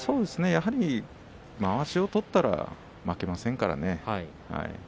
やはり、まわしを取ったら負けませんからね。